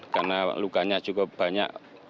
karena lukanya cukup banyak